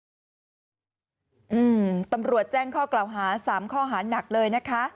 ตำรวจแจ้งข้อกล่าวหา๓ข้อหานักเลยนะคะ